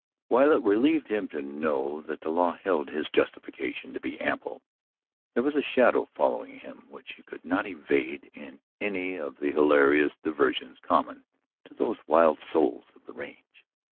While it relieved him to know that the law held his justification to be ample, there was a shadow following him which he could not evade in any of the hilarious diversions common to those wild souls of the range.